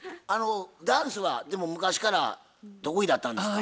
ダンスはでも昔から得意だったんですか？